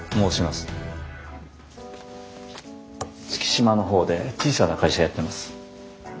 月島の方で小さな会社やってます。